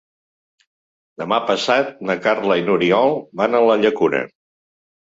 Demà passat na Carla i n'Oriol van a la Llacuna.